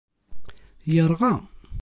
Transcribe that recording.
Yerɣa.